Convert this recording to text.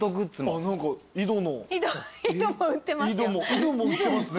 井戸も売ってますよ。